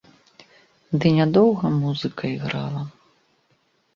Ды нядоўга музыка іграла.